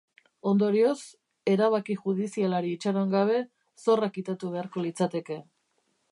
Ondorioz, erabaki judizialari itxaron gabe zorra kitatu beharko litzateke.